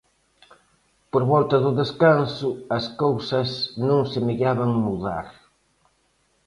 Por volta do descanso, as cousas non semellaban mudar.